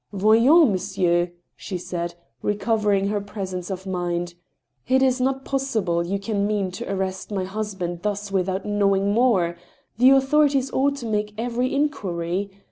" Voyons, monsieur," she said, recovering her presence of mind ;*' it is not possible you can mean to arrest my husband thus without knowing more. ... The authorities ought to make every inquiry.